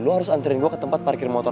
lo harus anterin gue ke tempat parkir motor